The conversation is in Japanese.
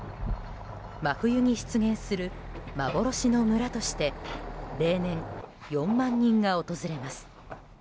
真冬に出現する幻の村として例年４万人が訪れます。